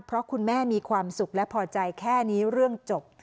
เพราะคุณแม่มีความสุขและพอใจแค่นี้เรื่องจบ